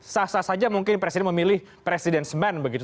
sah sah saja mungkin presiden memilih presiden semen begitu